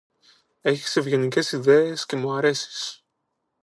Έχεις ευγενικές ιδέες και μ' αρέσεις.